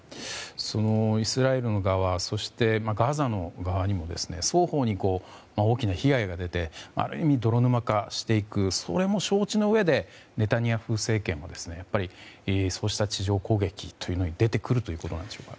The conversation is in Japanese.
イスラエル側ガザの側にも双方に大きな被害が出てある意味、泥沼化していくそれも承知のうえでネタニヤフ政権はそうした地上攻撃に出てくるということなんでしょうか。